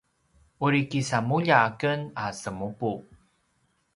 uri kisamulja aken a semupu